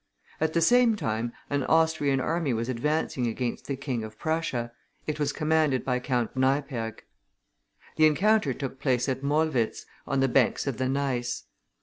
At the same time an Austrian army was advancing against the King of Prussia; it was commanded by Count Neipperg. The encounter took place at Molwitz, on the banks of the Neiss.